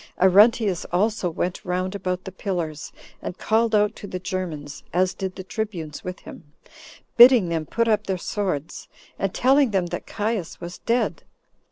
Arruntius also went round about the pillars, and called out to the Germans, as did the tribunes with him, bidding them put up their swords, and telling them that Caius was dead.